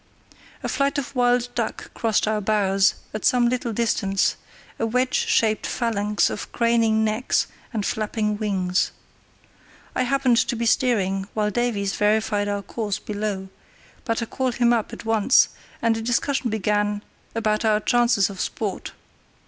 A flight of wild duck crossed our bows at some little distance, a wedge shaped phalanx of craning necks and flapping wings. I happened to be steering while Davies verified our course below; but I called him up at once, and a discussion began about our chances of sport.